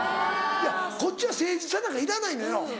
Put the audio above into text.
いやこっちは誠実さなんかいらないのよ。